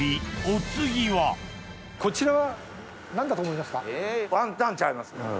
お次はこちらは何だと思いますか？